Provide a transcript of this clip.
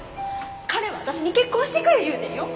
彼は私に「結婚してくれ」言うてんよ？